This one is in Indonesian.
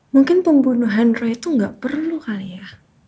mungkin pembunuh henry itu gak perlu kali ya